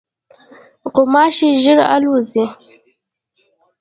غوماشې ژر الوزي.